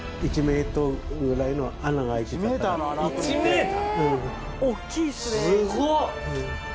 １ｍ？